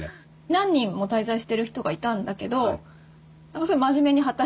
何人も滞在してる人がいたんだけどすごい真面目に働いててその中で。